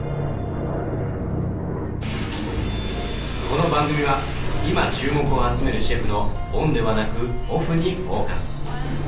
この番組は今注目を集めるシェフのオンではなくオフにフォーカス。